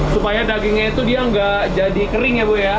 supaya dagingnya itu dia nggak jadi kering ya bu ya